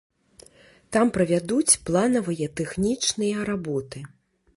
Там правядуць планавыя тэхнічныя работы.